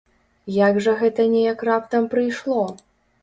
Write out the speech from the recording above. Як жа гэта неяк раптам прыйшло!